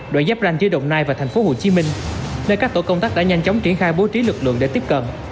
đoạn giáp ranh giữa đồng nai và tp hcm nơi các tổ công tác đã nhanh chóng triển khai bố trí lực lượng để tiếp cận